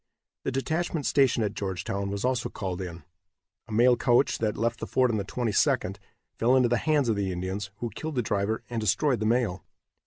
The detachment stationed at Georgetown was also called in. A mail coach that left the fort on the 22d, fell into the hands of the Indians, who killed the driver and destroyed the mail.